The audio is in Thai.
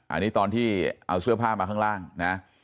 อันนี้ตอนที่เอาเสื้อผ้ามาข้างล่างนะ